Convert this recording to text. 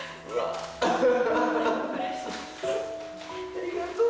ありがとう。